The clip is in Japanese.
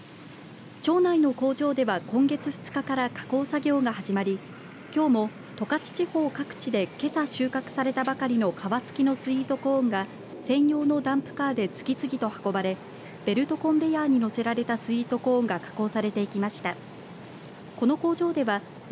町内の工場では今月２日から加工作業が始まりきょうも十勝地方各地でけさ収穫されたばかりの皮付きのスイートコーンが専用のダンプカーで次々と運ばれベルトコンベヤーに載せられたスイートコーンが加工されていきました。